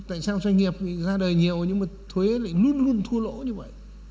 tại sao doanh nghiệp ra đời nhiều nhưng mà thuế lại luôn luôn thua lỗ như vậy